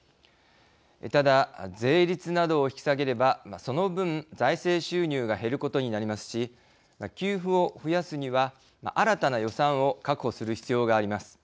ただ、税率などを引き下げればその分財政収入が減ることになりますし給付を増やすには新たな予算を確保する必要があります。